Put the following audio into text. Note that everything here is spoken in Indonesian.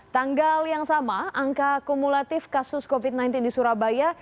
tanggal yang sama angka kumulatif kasus covid sembilan belas di surabaya